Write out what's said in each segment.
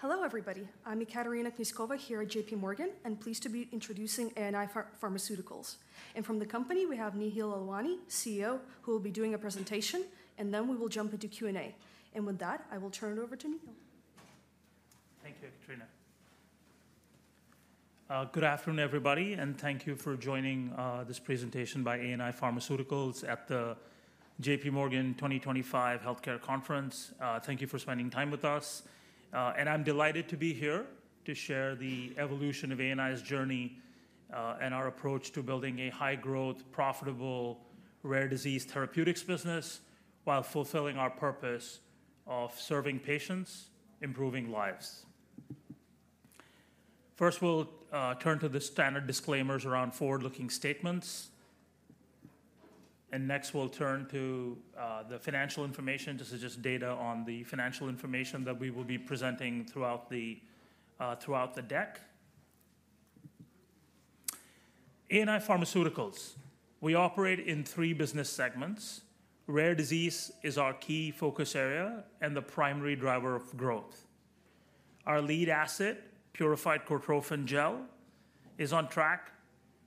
Hello, everybody. I'm Ekaterina Knyazkova here at J.P. Morgan, and pleased to be introducing ANI Pharmaceuticals. And from the company, we have Nikhil Lalwani, CEO, who will be doing a presentation, and then we will jump into Q&A. And with that, I will turn it over to Nikhil. Thank you, Ekaterina. Good afternoon, everybody, and thank you for joining this presentation by ANI Pharmaceuticals at the JPMorgan 2025 Healthcare Conference. Thank you for spending time with us. And I'm delighted to be here to share the evolution of ANI's journey and our approach to building a high-growth, profitable, rare-disease therapeutics business while fulfilling our purpose of serving patients, improving lives. First, we'll turn to the standard disclaimers around forward-looking statements. And next, we'll turn to the financial information to suggest data on the financial information that we will be presenting throughout the deck. ANI Pharmaceuticals, we operate in three business segments. Rare disease is our key focus area and the primary driver of growth. Our lead asset, Purified Cortrophin Gel, is on track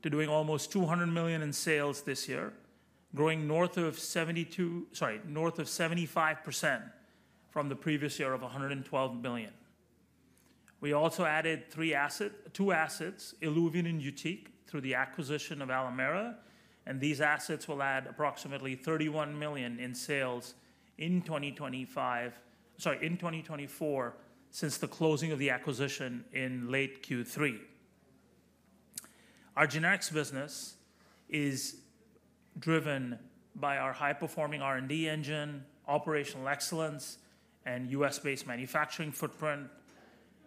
to doing almost $200 million in sales this year, growing north of 75% from the previous year of $112 million. We also added two assets, ILUVIEN and YUTIQ, through the acquisition of Alimera, and these assets will add approximately $31 million in sales in 2024 since the closing of the acquisition in late Q3. Our generics business is driven by our high-performing R&D engine, operational excellence, and U.S.-based manufacturing footprint,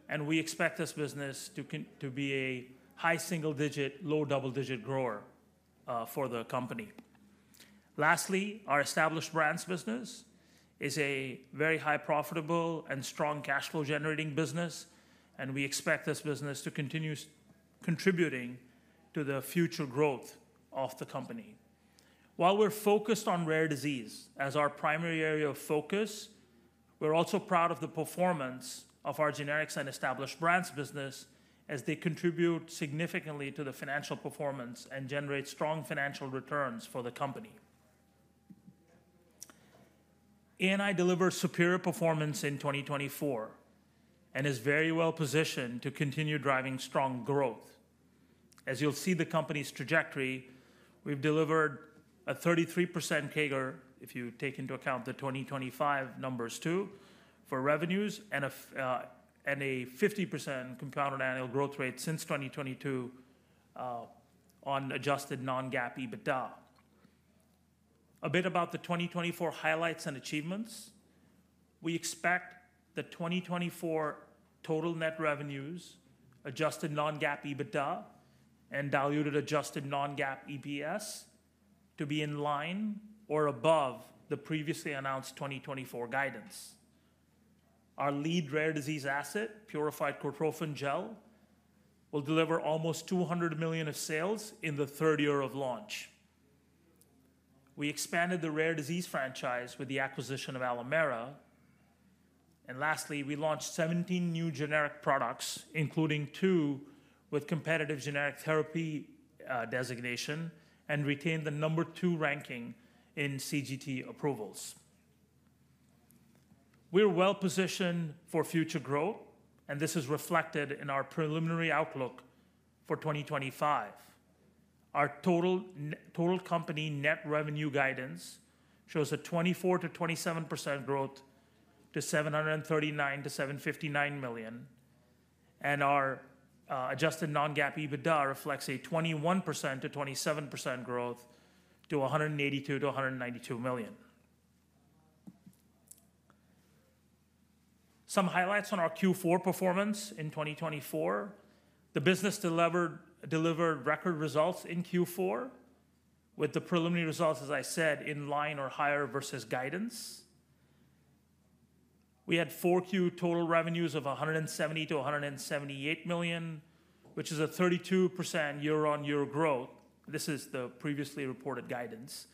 and we expect this business to be a high single-digit, low double-digit grower for the company. Lastly, our established brands business is a very high-profitable and strong cash flow-generating business, and we expect this business to continue contributing to the future growth of the company. While we're focused on rare disease as our primary area of focus, we're also proud of the performance of our generics and established brands business as they contribute significantly to the financial performance and generate strong financial returns for the company. ANI delivers superior performance in 2024 and is very well positioned to continue driving strong growth. As you'll see the company's trajectory, we've delivered a 33% CAGR, if you take into account the 2025 numbers too, for revenues, and a 50% compounded annual growth rate since 2022 on adjusted non-GAAP EBITDA. A bit about the 2024 highlights and achievements. We expect the 2024 total net revenues, adjusted non-GAAP EBITDA, and diluted adjusted non-GAAP EPS to be in line or above the previously announced 2024 guidance. Our lead rare disease asset, Purified Cortrophin Gel, will deliver almost $200 million of sales in the third year of launch. We expanded the rare disease franchise with the acquisition of Alimera. And lastly, we launched 17 new generic products, including two with Competitive Generic Therapy designation, and retained the number two ranking in CGT approvals. We're well positioned for future growth, and this is reflected in our preliminary outlook for 2025. Our total company net revenue guidance shows a 24%-27% growth to $739 million-$759 million. And our adjusted non-GAAP EBITDA reflects a 21%-27% growth to $182 million-$192 million. Some highlights on our Q4 performance in 2024. The business delivered record results in Q4, with the preliminary results, as I said, in line or higher versus guidance. We had Q4 total revenues of $170 million-$178 million, which is a 32% year-on-year growth. This is the previously reported guidance.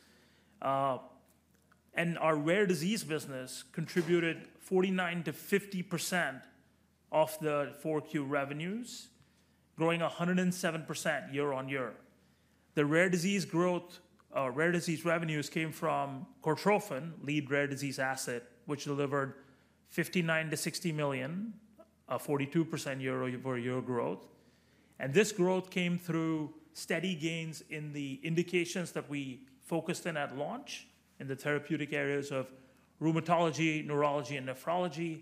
And our rare disease business contributed 49%-50% of the Q4 revenues, growing 107% year-on-year. The rare disease growth, rare disease revenues came from Purified Cortrophin Gel, lead rare disease asset, which delivered $59-$60 million, a 42% year-over-year growth. This growth came through steady gains in the indications that we focused in at launch in the therapeutic areas of rheumatology, neurology, and nephrology,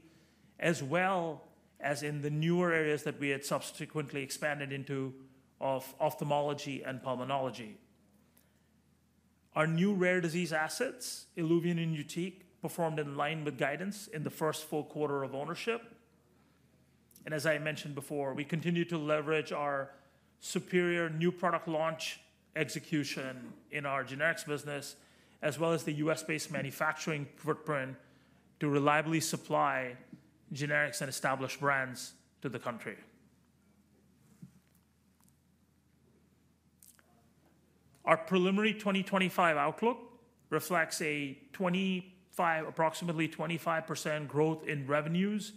as well as in the newer areas that we had subsequently expanded into of ophthalmology and pulmonology. Our new rare disease assets, ILUVIEN and YUTIQ, performed in line with guidance in the first full quarter of ownership. As I mentioned before, we continue to leverage our superior new product launch execution in our generics business, as well as the U.S.-based manufacturing footprint, to reliably supply generics and established brands to the country. Our preliminary 2025 outlook reflects an approximately 25% growth in revenues,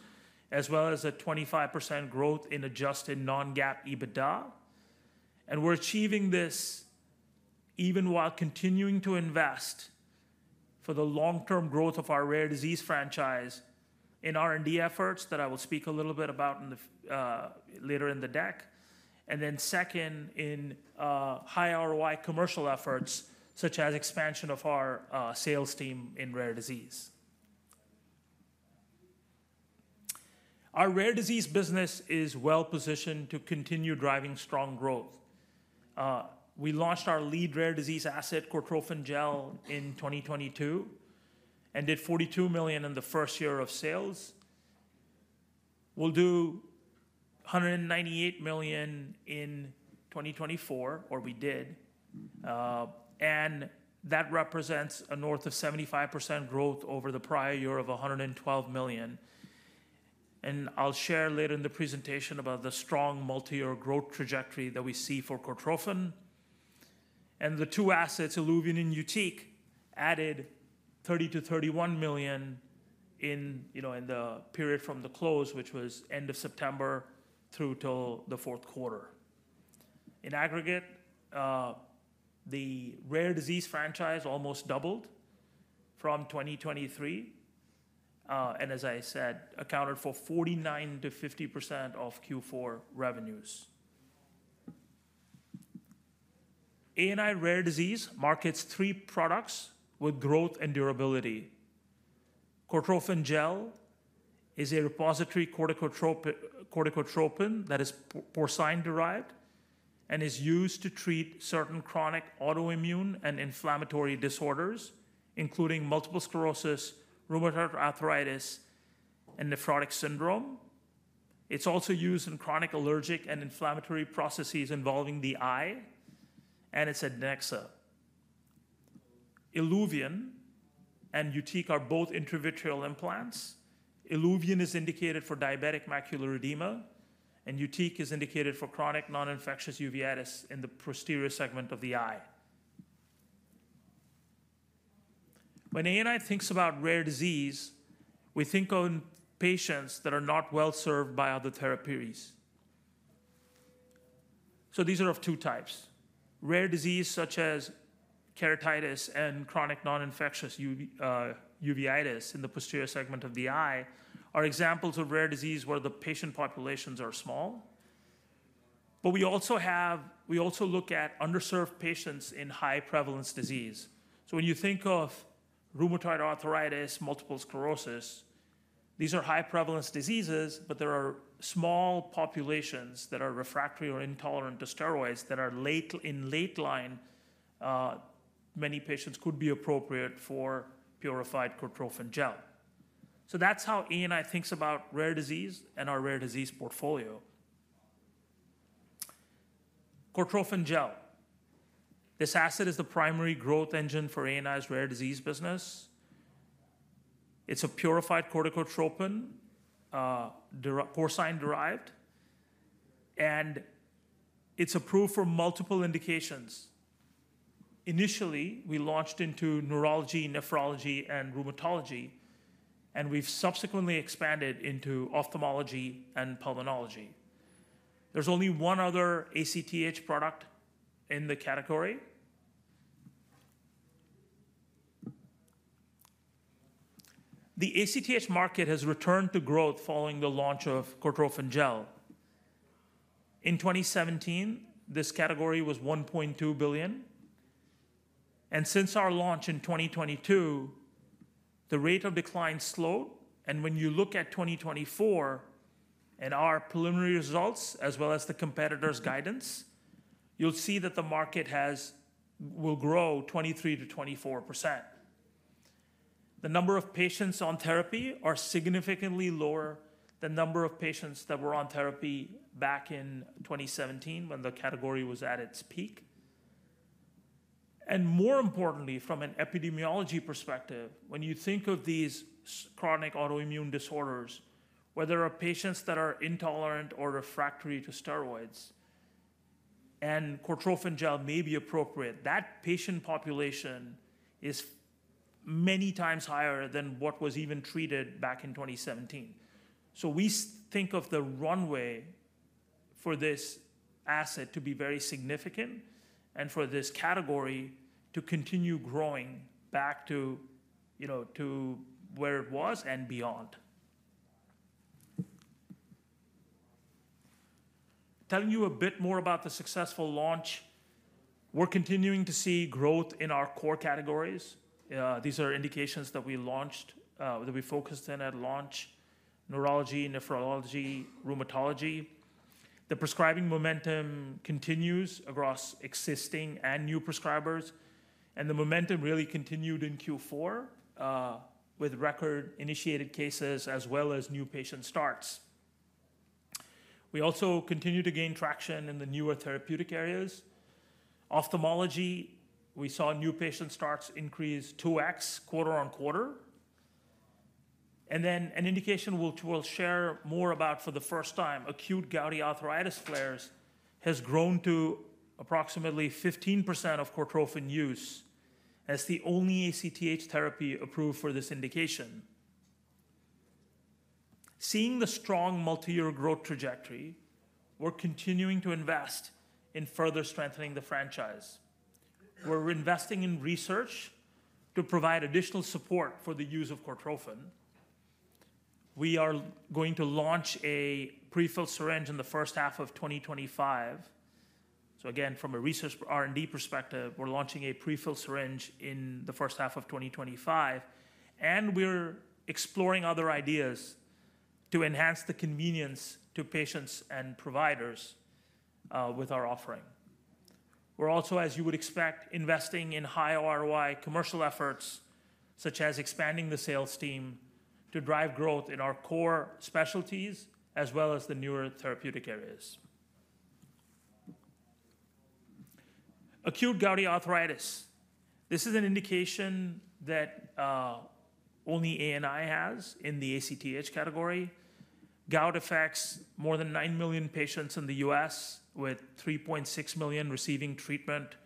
as well as a 25% growth in adjusted non-GAAP EBITDA. We're achieving this even while continuing to invest for the long-term growth of our rare disease franchise in R&D efforts that I will speak a little bit about later in the deck. Then second, in high ROI commercial efforts, such as expansion of our sales team in rare disease. Our rare disease business is well positioned to continue driving strong growth. We launched our lead rare disease asset, Purified Cortrophin Gel, in 2022 and did $42 million in the first year of sales. We'll do $198 million in 2024, or we did. That represents a north of 75% growth over the prior year of $112 million. I'll share later in the presentation about the strong multi-year growth trajectory that we see for Purified Cortrophin Gel. And the two assets, ILUVIEN and YUTIQ, added $30-$31 million in the period from the close, which was end of September through till the fourth quarter. In aggregate, the rare disease franchise almost doubled from 2023. And as I said, accounted for 49%-50% of Q4 revenues. ANI Rare Disease markets three products with growth and durability. Purified Cortrophin Gel is a repository corticotropin that is porcine-derived and is used to treat certain chronic autoimmune and inflammatory disorders, including multiple sclerosis, rheumatoid arthritis, and nephrotic syndrome. It's also used in chronic allergic and inflammatory processes involving the eye and its adnexa. ILUVIEN and YUTIQ are both intravitreal implants. ILUVIEN is indicated for diabetic macular edema, and YUTIQ is indicated for chronic non-infectious uveitis in the posterior segment of the eye. When ANI thinks about rare disease, we think of patients that are not well served by other therapies. So these are of two types. Rare disease, such as keratitis and chronic non-infectious uveitis in the posterior segment of the eye, are examples of rare disease where the patient populations are small. But we also look at underserved patients in high prevalence disease. So when you think of rheumatoid arthritis, multiple sclerosis, these are high prevalence diseases, but there are small populations that are refractory or intolerant to steroids that are in late line. Many patients could be appropriate for Purified Cortrophin Gel. So that's how ANI thinks about rare disease and our rare disease portfolio. Purified Cortrophin Gel. This asset is the primary growth engine for ANI's rare disease business. It's a purified corticotropin, porcine-derived, and it's approved for multiple indications. Initially, we launched into neurology, nephrology, and rheumatology, and we've subsequently expanded into ophthalmology and pulmonology. There's only one other ACTH product in the category. The ACTH market has returned to growth following the launch of Purified Cortrophin Gel. In 2017, this category was $1.2 billion, and since our launch in 2022, the rate of decline slowed, and when you look at 2024 and our preliminary results, as well as the competitor's guidance, you'll see that the market will grow 23%-24%. The number of patients on therapy is significantly lower than the number of patients that were on therapy back in 2017 when the category was at its peak. And more importantly, from an epidemiology perspective, when you think of these chronic autoimmune disorders, whether patients that are intolerant or refractory to steroids and Purified Cortrophin Gel may be appropriate, that patient population is many times higher than what was even treated back in 2017. So we think of the runway for this asset to be very significant and for this category to continue growing back to where it was and beyond. Telling you a bit more about the successful launch, we're continuing to see growth in our core categories. These are indications that we launched, that we focused in at launch: neurology, nephrology, rheumatology. The prescribing momentum continues across existing and new prescribers. And the momentum really continued in Q4 with record-initiated cases as well as new patient starts. We also continue to gain traction in the newer therapeutic areas. Ophthalmology, we saw new patient starts increase 2X quarter on quarter. And then an indication we'll share more about for the first time, acute gouty arthritis flares has grown to approximately 15% of Purified Cortrophin Gel use as the only ACTH therapy approved for this indication. Seeing the strong multi-year growth trajectory, we're continuing to invest in further strengthening the franchise. We're investing in research to provide additional support for the use of Purified Cortrophin Gel. We are going to launch a pre-filled syringe in the first half of 2025. So again, from a research R&D perspective, we're launching a pre-filedl syringe in the first half of 2025. And we're exploring other ideas to enhance the convenience to patients and providers with our offering. We're also, as you would expect, investing in high ROI commercial efforts, such as expanding the sales team to drive growth in our core specialties as well as the newer therapeutic areas. Acute gouty arthritis. This is an indication that only ANI has in the ACTH category. Gout affects more than nine million patients in the U.S., with 3.6 million receiving treatment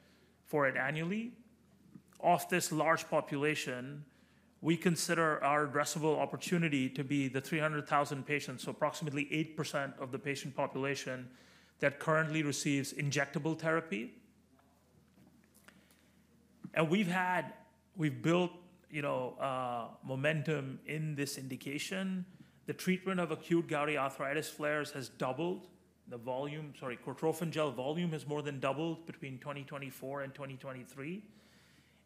for it annually. Off this large population, we consider our addressable opportunity to be the 300,000 patients, so approximately 8% of the patient population that currently receives injectable therapy. And we've built momentum in this indication. The treatment of acute gouty arthritis flares has doubled. The volume, sorry, Purified Cortrophin Gel volume has more than doubled between 2024 and 2023.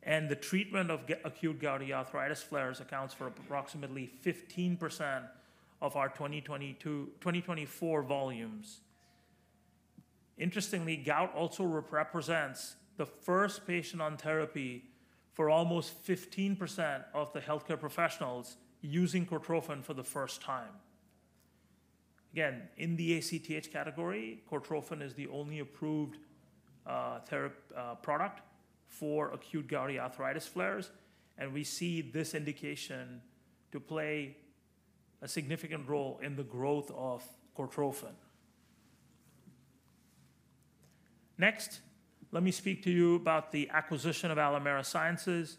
And the treatment of acute gouty arthritis flares accounts for approximately 15% of our 2024 volumes. Interestingly, gout also represents the first patient on therapy for almost 15% of the healthcare professionals using Purified Cortrophin Gel for the first time. Again, in the ACTH category, Purified Cortrophin Gel is the only approved product for acute gouty arthritis flares. We see this indication to play a significant role in the growth of Purified Cortrophin Gel. Next, let me speak to you about the acquisition of Alimera Sciences.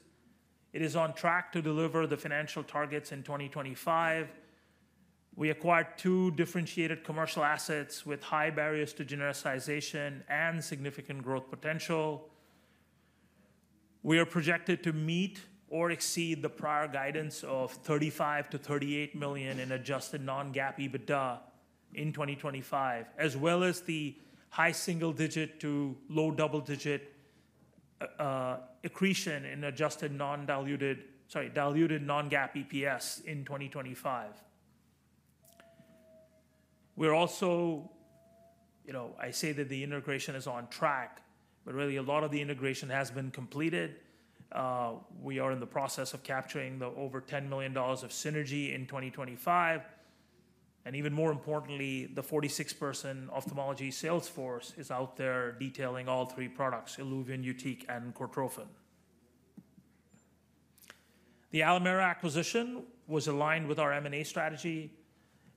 It is on track to deliver the financial targets in 2025. We acquired two differentiated commercial assets with high barriers to genericization and significant growth potential. We are projected to meet or exceed the prior guidance of $35 million-$38 million in adjusted non-GAAP EBITDA in 2025, as well as the high single-digit to low double-digit accretion in adjusted non-diluted, sorry, diluted non-GAAP EPS in 2025. We're also. I say that the integration is on track, but really a lot of the integration has been completed. We are in the process of capturing the over $10 million of synergy in 2025. And even more importantly, the 46-person ophthalmology sales force is out there detailing all three products, ILUVIEN, YUTIQ, and Cortrophin. The Alimera acquisition was aligned with our M&A strategy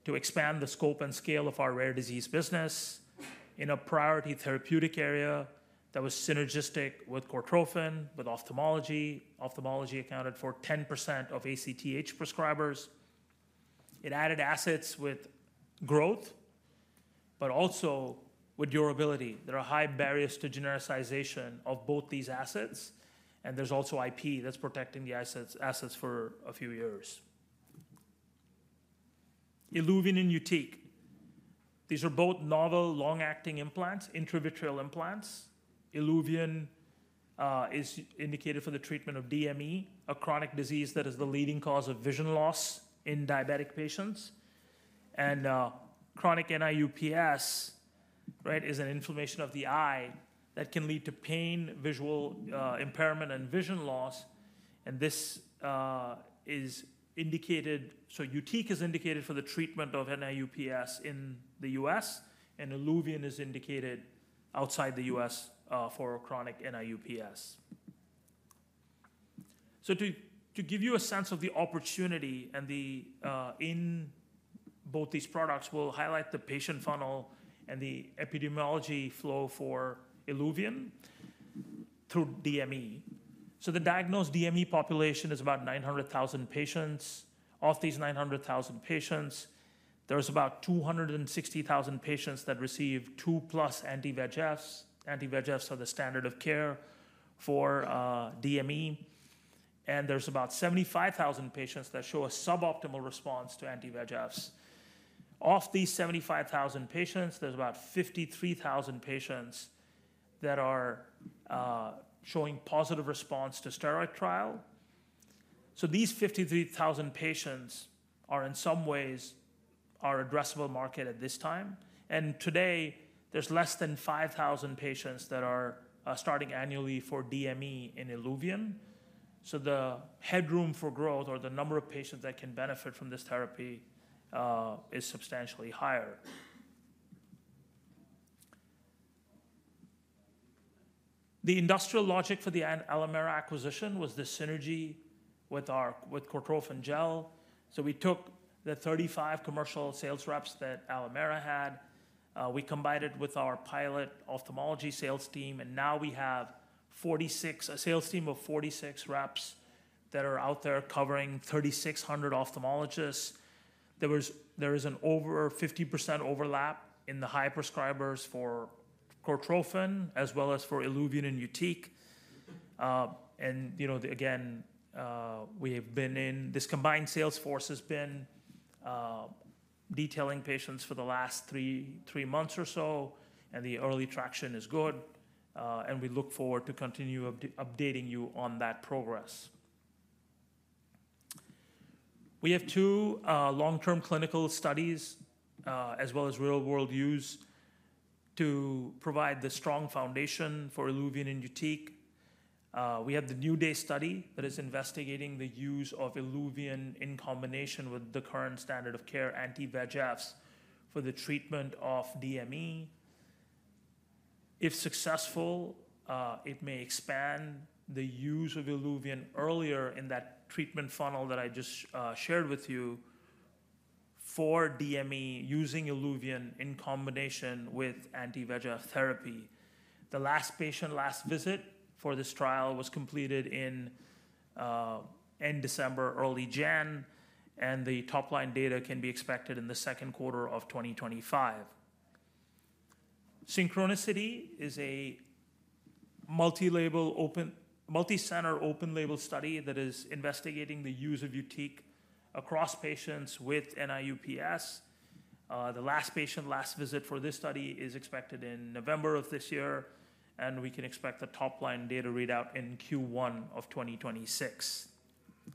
to expand the scope and scale of our rare disease business in a priority therapeutic area that was synergistic with Cortrophin, with ophthalmology. Ophthalmology accounted for 10% of ACTH prescribers. It added assets with growth, but also with durability. There are high barriers to genericization of both these assets. And there's also IP that's protecting the assets for a few years. ILUVIEN and YUTIQ. These are both novel long-acting implants, intravitreal implants. ILUVIEN is indicated for the treatment of DME, a chronic disease that is the leading cause of vision loss in diabetic patients. And chronic NIU-PS, right, is an inflammation of the eye that can lead to pain, visual impairment, and vision loss. And this is indicated. So YUTIQ is indicated for the treatment of NIU-PS in the US, and ILUVIEN is indicated outside the US for chronic NIU-PS. So to give you a sense of the opportunity and the in both these products, we'll highlight the patient funnel and the epidemiology flow for ILUVIEN through DME. So the diagnosed DME population is about 900,000 patients. Of these 900,000 patients, there's about 260,000 patients that receive two-plus anti-VEGFs. Anti-VEGFs are the standard of care for DME. And there's about 75,000 patients that show a suboptimal response to anti-VEGFs. Of these 75,000 patients, there's about 53,000 patients that are showing positive response to steroid trial. So these 53,000 patients are in some ways our addressable market at this time. And today, there's less than 5,000 patients that are starting annually for DME in ILUVIEN. So the headroom for growth or the number of patients that can benefit from this therapy is substantially higher. The industrial logic for the Alimera acquisition was the synergy with Purified Cortrophin Gel. So we took the 35 commercial sales reps that Alimera had. We combined it with our pilot ophthalmology sales team, and now we have a sales team of 46 reps that are out there covering 3,600 ophthalmologists. There is an over 50% overlap in the high prescribers for Purified Cortrophin Gel as well as for ILUVIEN and YUTIQ. Again, we have been in this combined sales force has been detailing patients for the last three months or so, and the early traction is good. We look forward to continue updating you on that progress. We have two long-term clinical studies as well as real-world use to provide the strong foundation for ILUVIEN and YUTIQ. We have the NEW DAY study that is investigating the use of ILUVIEN in combination with the current standard of care anti-VEGFs for the treatment of DME. If successful, it may expand the use of ILUVIEN earlier in that treatment funnel that I just shared with you for DME using ILUVIEN in combination with anti-VEGF therapy. The last patient last visit for this trial was completed in end December, early January, and the top-line data can be expected in the second quarter of 2025. SYNCHRONICITY is a multi-center open label study that is investigating the use of YUTIQ across patients with NIU-PS. The last patient last visit for this study is expected in November of this year, and we can expect the top-line data readout in Q1 of 2026. So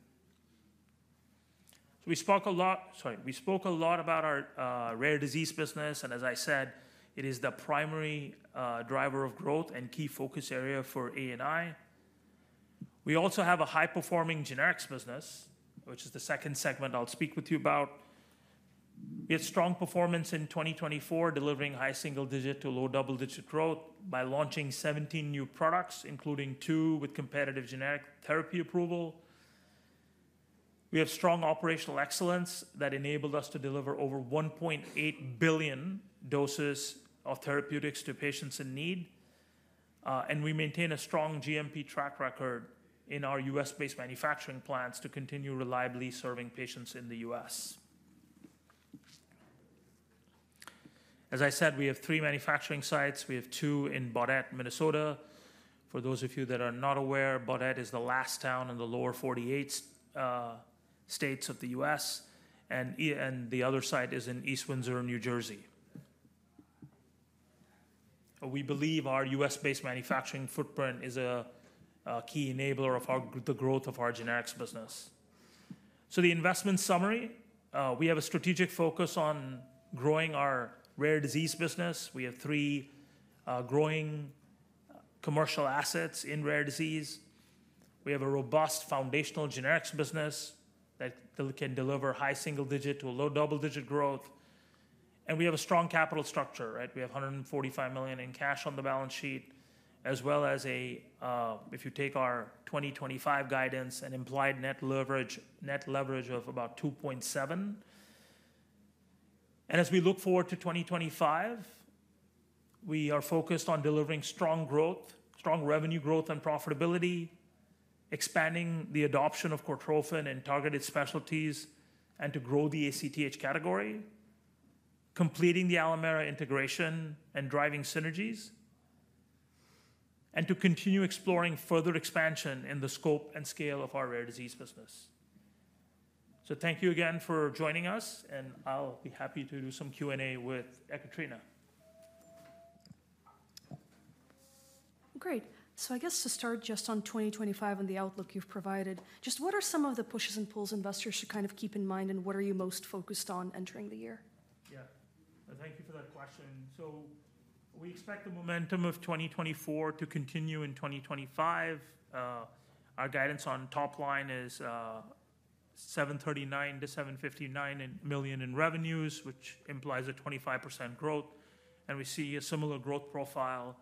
we spoke a lot, sorry, we spoke a lot about our rare disease business, and as I said, it is the primary driver of growth and key focus area for ANI. We also have a high-performing generics business, which is the second segment I'll speak with you about. We had strong performance in 2024, delivering high single-digit to low double-digit growth by launching 17 new products, including two with Competitive Generic Therapy approval. We have strong operational excellence that enabled us to deliver over 1.8 billion doses of therapeutics to patients in need. And we maintain a strong GMP track record in our U.S.-based manufacturing plants to continue reliably serving patients in the U.S. As I said, we have three manufacturing sites. We have two in Baudette, Minnesota. For those of you that are not aware, Baudette is the last town in the lower 48 states of the U.S. And the other site is in East Windsor, New Jersey. We believe our U.S.-based manufacturing footprint is a key enabler of the growth of our generics business. So, the investment summary: we have a strategic focus on growing our rare disease business. We have three growing commercial assets in rare disease. We have a robust foundational generics business that can deliver high single-digit to low double-digit growth. And we have a strong capital structure, right? We have $145 million in cash on the balance sheet, as well as if you take our 2025 guidance and implied net leverage of about 2.7. And as we look forward to 2025, we are focused on delivering strong growth, strong revenue growth and profitability, expanding the adoption of Purified Cortrophin Gel and targeted specialties and to grow the ACTH category, completing the Alimera integration and driving synergies, and to continue exploring further expansion in the scope and scale of our rare disease business. So thank you again for joining us, and I'll be happy to do some Q&A with Ekaterina. Great. So I guess to start just on 2025 and the outlook you've provided, just what are some of the pushes and pulls investors should kind of keep in mind, and what are you most focused on entering the year? Yeah. Thank you for that question. So we expect the momentum of 2024 to continue in 2025. Our guidance on top-line is $739 million-$759 million in revenues, which implies a 25% growth. And we see a similar growth profile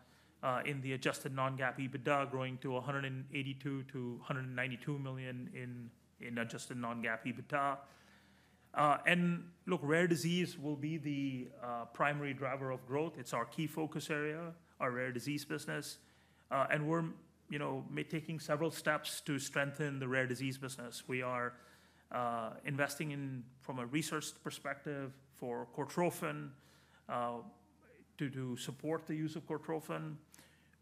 in the adjusted non-GAAP EBITDA growing to $182 million-$192 million in adjusted non-GAAP EBITDA. And look, rare disease will be the primary driver of growth. It's our key focus area, our rare disease business. And we're taking several steps to strengthen the rare disease business. We are investing from a research perspective for Cortrophin to support the use of Cortrophin.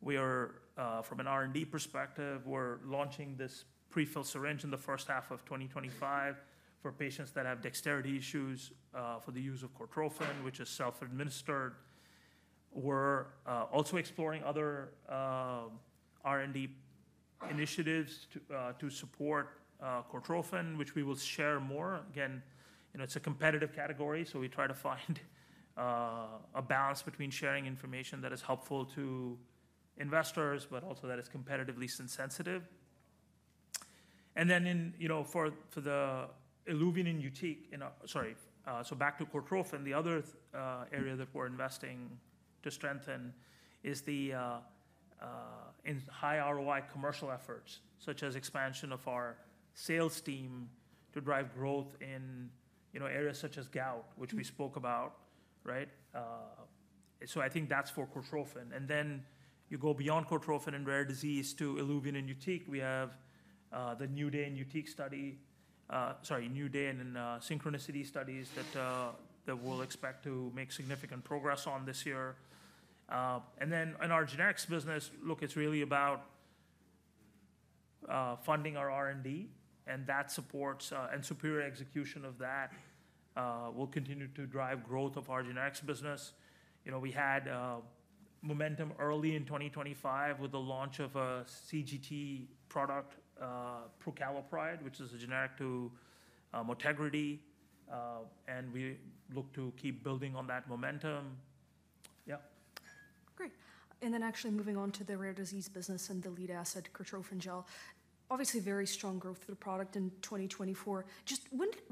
From an R&D perspective, we're launching this prefill syringe in the first half of 2025 for patients that have dexterity issues for the use of Cortrophin, which is self-administered. We're also exploring other R&D initiatives to support Cortrophin, which we will share more. Again, it's a competitive category, so we try to find a balance between sharing information that is helpful to investors, but also that is competitively sensitive. And then for the ILUVIEN and YUTIQ, sorry, so back to Cortrophin, the other area that we're investing to strengthen is the high ROI commercial efforts, such as expansion of our sales team to drive growth in areas such as gout, which we spoke about, right? So I think that's for Cortrophin. And then you go beyond Cortrophin and rare disease to ILUVIEN and YUTIQ. We have the NEW DAY and YUTIQ study, sorry, NEW DAY and SYNCHRONICITY studies that we'll expect to make significant progress on this year. And then in our generics business, look, it's really about funding our R&D, and that supports and superior execution of that will continue to drive growth of our generics business. We had momentum early in 2025 with the launch of a CGT product, prucalopride, which is a generic to Motegrity, and we look to keep building on that momentum. Yeah. Great. And then actually moving on to the rare disease business and the lead asset, Purified Cortrophin Gel, obviously very strong growth for the product in 2024. Just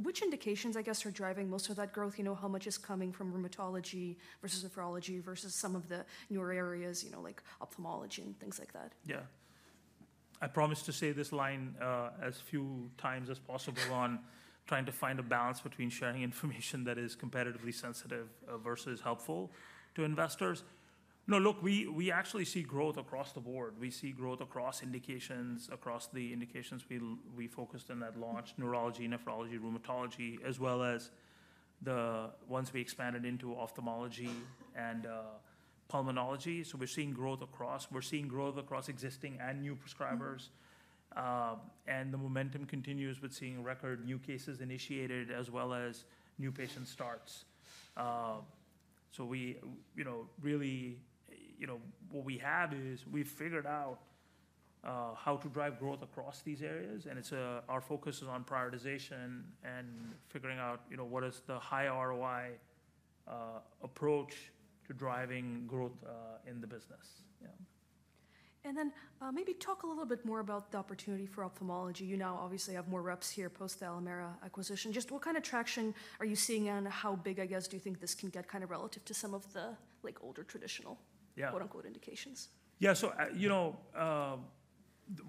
which indications, I guess, are driving most of that growth? You know, how much is coming from rheumatology versus nephrology versus some of the newer areas like ophthalmology and things like that? Yeah. I promised to say this line as few times as possible, on trying to find a balance between sharing information that is competitively sensitive versus helpful to investors. No, look, we actually see growth across the board. We see growth across indications, across the indications we focused on that launch, neurology, nephrology, rheumatology, as well as the ones we expanded into ophthalmology and pulmonology. So we're seeing growth across. We're seeing growth across existing and new prescribers. And the momentum continues with seeing record new cases initiated as well as new patient starts. So really, what we have is we've figured out how to drive growth across these areas. And our focus is on prioritization and figuring out what is the high ROI approach to driving growth in the business. Yeah. And then maybe talk a little bit more about the opportunity for ophthalmology. You now obviously have more reps here post-Alimera acquisition. Just what kind of traction are you seeing and how big, I guess, do you think this can get kind of relative to some of the older traditional, quote-unquote, indications? Yeah.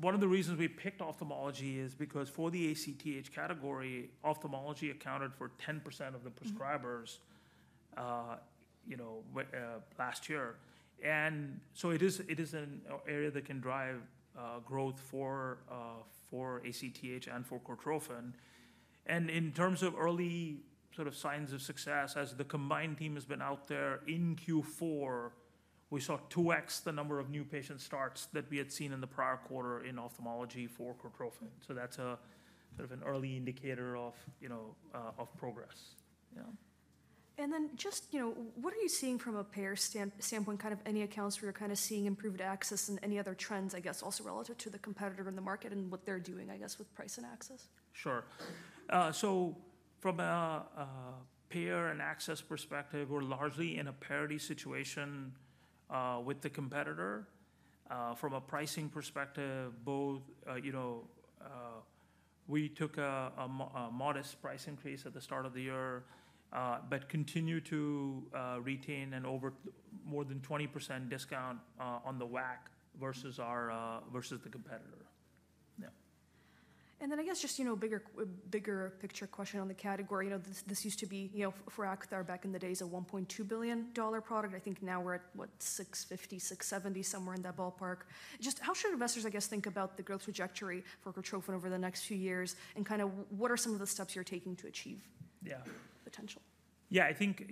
One of the reasons we picked ophthalmology is because for the ACTH category, ophthalmology accounted for 10% of the prescribers last year. And so it is an area that can drive growth for ACTH and for Cortrophin. And in terms of early sort of signs of success, as the combined team has been out there in Q4, we saw 2x the number of new patient starts that we had seen in the prior quarter in ophthalmology for Cortrophin. So that's sort of an early indicator of progress. Yeah. And then just what are you seeing from a payer standpoint? Kind of any accounts where you're kind of seeing improved access and any other trends, I guess, also relative to the competitor in the market and what they're doing, I guess, with price and access? Sure. So from a payer and access perspective, we're largely in a parity situation with the competitor. From a pricing perspective, we took a modest price increase at the start of the year, but continue to retain an over more than 20% discount on the WAC versus the competitor. Yeah. And then I guess just bigger picture question on the category. This used to be for Acthar back in the days, a $1.2 billion product. I think now we're at what, $650 million-$670 million, somewhere in that ballpark. Just how should investors, I guess, think about the growth trajectory for Cortrophin over the next few years? And kind of what are some of the steps you're taking to achieve potential? Yeah. Yeah, I think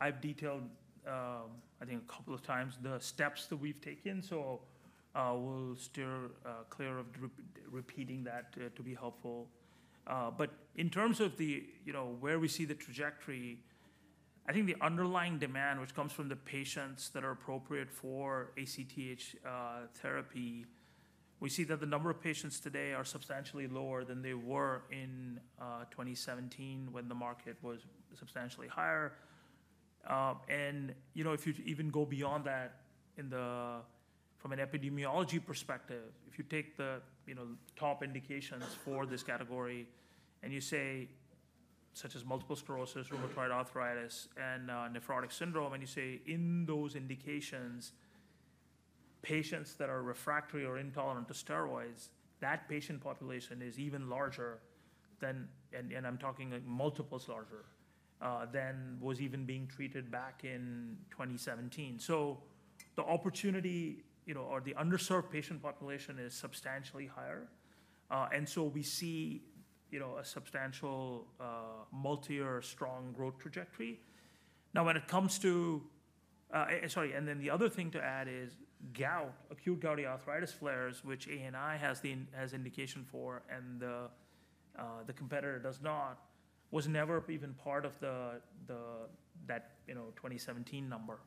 I've detailed, I think, a couple of times the steps that we've taken. So we'll steer clear of repeating that to be helpful. But in terms of where we see the trajectory, I think the underlying demand, which comes from the patients that are appropriate for ACTH therapy, we see that the number of patients today are substantially lower than they were in 2017 when the market was substantially higher. And if you even go beyond that from an epidemiology perspective, if you take the top indications for this category and you say, such as multiple sclerosis, rheumatoid arthritis, and nephrotic syndrome, and you say in those indications, patients that are refractory or intolerant to steroids, that patient population is even larger than, and I'm talking multiples larger, than was even being treated back in 2017. So the opportunity or the underserved patient population is substantially higher. And so we see a substantial multi-year strong growth trajectory. Now, when it comes to, sorry, and then the other thing to add is gout, acute gouty arthritis flares, which ANI has indication for and the competitor does not, was never even part of that 2017 number.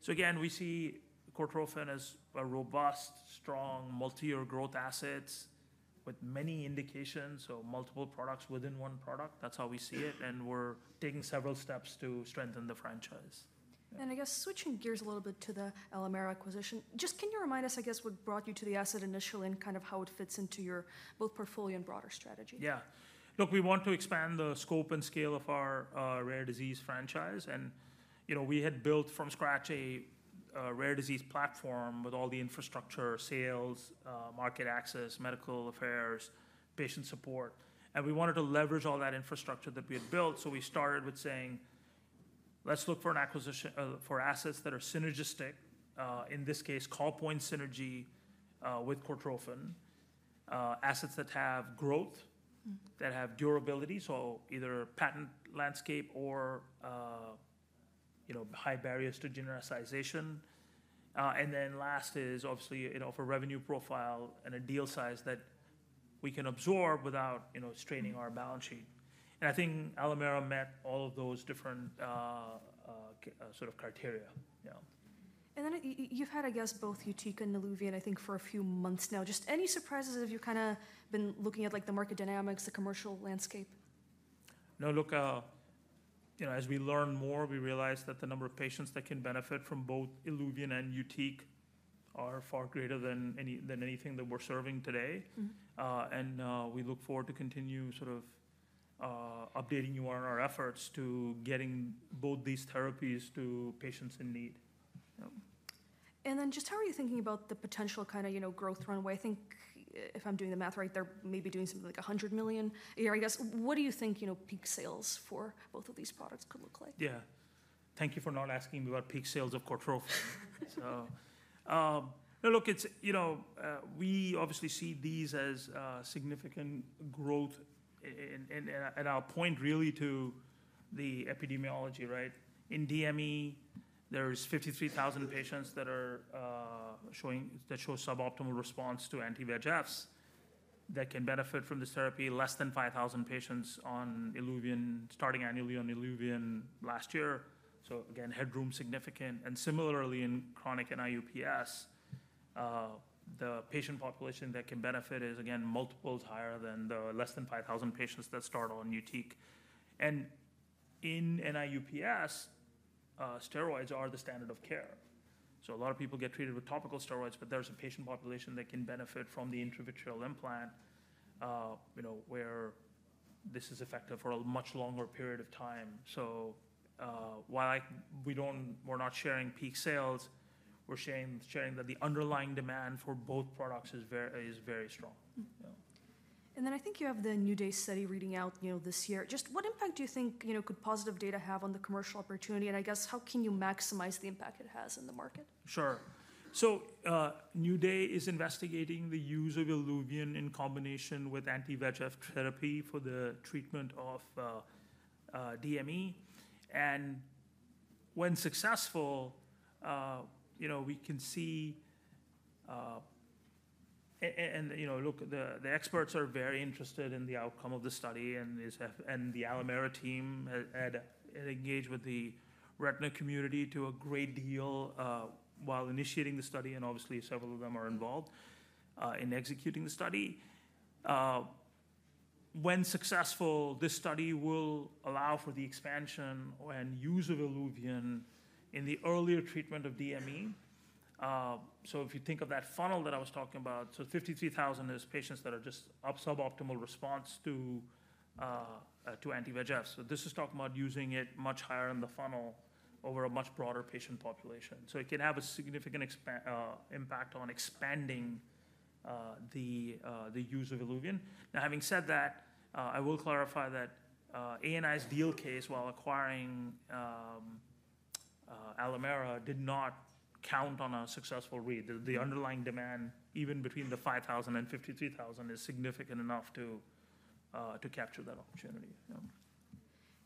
So again, we see Cortrophin as a robust, strong, multi-year growth assets with many indications, so multiple products within one product. That's how we see it. And we're taking several steps to strengthen the franchise. I guess switching gears a little bit to the Alimera acquisition, just can you remind us, I guess, what brought you to the asset initially and kind of how it fits into your both portfolio and broader strategy? Yeah. Look, we want to expand the scope and scale of our rare disease franchise. And we had built from scratch a rare disease platform with all the infrastructure, sales, market access, medical affairs, patient support. And we wanted to leverage all that infrastructure that we had built. So we started with saying, let's look for an acquisition for assets that are synergistic, in this case, callpoint synergy with Cortrophin, assets that have growth, that have durability, so either patent landscape or high barriers to genericization. And then last is obviously for revenue profile and a deal size that we can absorb without straining our balance sheet. And I think Alimera met all of those different sort of criteria. Yeah. And then you've had, I guess, both Yutiq and Iluvien, I think, for a few months now. Just any surprises as you've kind of been looking at the market dynamics, the commercial landscape? No, look, as we learn more, we realize that the number of patients that can benefit from both ILUVIEN and YUTIQ are far greater than anything that we're serving today, and we look forward to continue sort of updating our efforts to getting both these therapies to patients in need. Then just how are you thinking about the potential kind of growth runway? I think if I'm doing the math right, they're maybe doing something like $100 million. I guess, what do you think peak sales for both of these products could look like? Yeah. Thank you for not asking me about peak sales of Purified Cortrophin Gel. So look, we obviously see these as significant growth and our point really to the epidemiology, right? In DME, there's 53,000 patients that show suboptimal response to anti-VEGFs that can benefit from this therapy, less than 5,000 patients on ILUVIEN starting annually on ILUVIEN last year. So again, headroom significant. And similarly, in chronic NIU-PS, the patient population that can benefit is again multiples higher than the less than 5,000 patients that start on YUTIQ. And in NIU-PS, steroids are the standard of care. So a lot of people get treated with topical steroids, but there's a patient population that can benefit from the intravitreal implant where this is effective for a much longer period of time. So while we're not sharing peak sales, we're sharing that the underlying demand for both products is very strong. And then I think you have the NEW DAY study reading out this year. Just what impact do you think could positive data have on the commercial opportunity? And I guess, how can you maximize the impact it has in the market? Sure. So NEW DAY is investigating the use of ILUVIEN in combination with anti-VEGF therapy for the treatment of DME. And when successful, we can see, and look, the experts are very interested in the outcome of the study. And the Alimera team had engaged with the retina community to a great deal while initiating the study. And obviously, several of them are involved in executing the study. When successful, this study will allow for the expansion and use of ILUVIEN in the earlier treatment of DME. So if you think of that funnel that I was talking about, so 53,000 is patients that are just suboptimal response to anti-VEGF. So this is talking about using it much higher in the funnel over a much broader patient population. So it can have a significant impact on expanding the use of ILUVIEN. Now, having said that, I will clarify that ANI's deal case while acquiring Alimera did not count on a successful read. The underlying demand, even between the 5,000 and 53,000, is significant enough to capture that opportunity.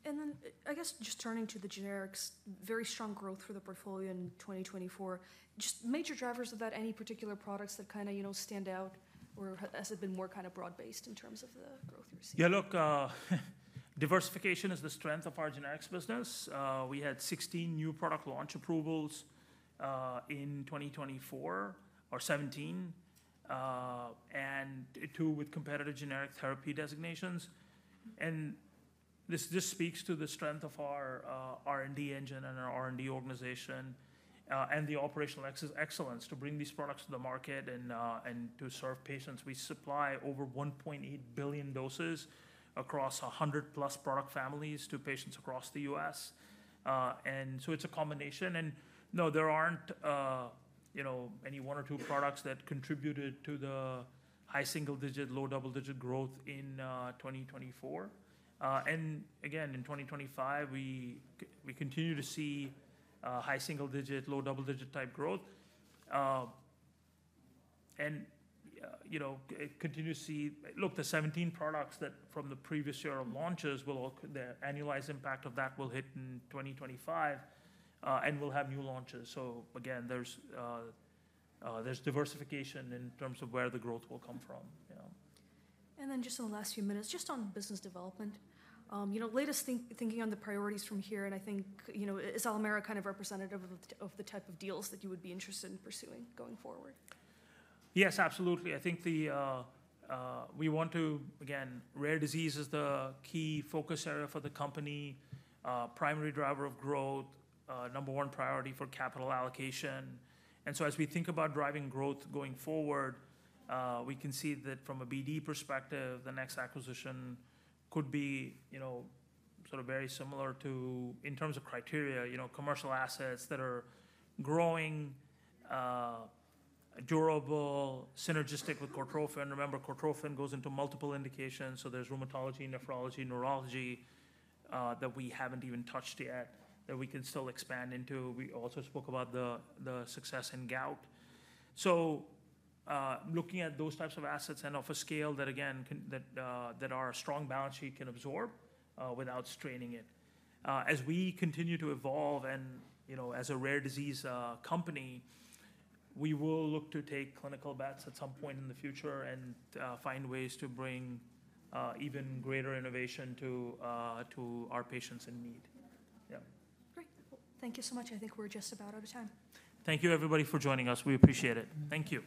And then I guess just turning to the generics, very strong growth for the portfolio in 2024. Just major drivers of that, any particular products that kind of stand out or has it been more kind of broad-based in terms of the growth you're seeing? Yeah, look, diversification is the strength of our generics business. We had 16 new product launch approvals in 2024 or 17, and two with competitive generic therapy designations. And this speaks to the strength of our R&D engine and our R&D organization and the operational excellence to bring these products to the market and to serve patients. We supply over 1.8 billion doses across 100 plus product families to patients across the U.S. And so it's a combination. And no, there aren't any one or two products that contributed to the high single digit, low double digit growth in 2024. And again, in 2025, we continue to see high single digit, low double digit type growth. And continue to see, look, the 17 products that from the previous year of launches, the annualized impact of that will hit in 2025 and we'll have new launches. So again, there's diversification in terms of where the growth will come from. And then just in the last few minutes, just on business development, latest thinking on the priorities from here, and I think is Alimera kind of representative of the type of deals that you would be interested in pursuing going forward? Yes, absolutely. I think we want to, again, rare disease is the key focus area for the company, primary driver of growth, number one priority for capital allocation. And so as we think about driving growth going forward, we can see that from a BD perspective, the next acquisition could be sort of very similar to, in terms of criteria, commercial assets that are growing, durable, synergistic with Purified Cortrophin Gel. Remember, Purified Cortrophin Gel goes into multiple indications. So there's rheumatology, nephrology, neurology that we haven't even touched yet that we can still expand into. We also spoke about the success in gout. So looking at those types of assets and of a scale that, again, our strong balance sheet can absorb without straining it. As we continue to evolve and as a rare disease company, we will look to take clinical bets at some point in the future and find ways to bring even greater innovation to our patients in need. Yeah. Great. Thank you so much. I think we're just about out of time. Thank you, everybody, for joining us. We appreciate it. Thank you.